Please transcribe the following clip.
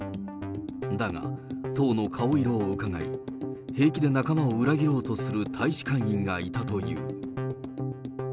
だが、党の顔色をうかがい、平気で仲間を裏切ろうとする大使館員がいたという。